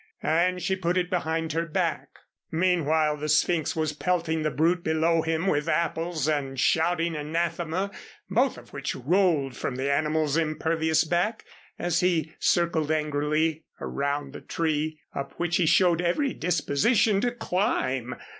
And she put it behind her back. Meanwhile the Sphynx was pelting the brute below him with apples and shouting anathema, both of which rolled from the animal's impervious back, as he circled angrily around the tree, up which he showed every disposition to climb.